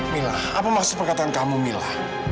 mila apa maksud perkataan kamu mila